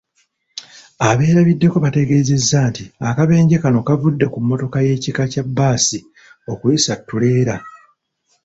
Abeerabiddeko bategeezezza nti akabenje kano kavudde ku mmotoka y'ekika kya bbaasi okuyisa ttuleera.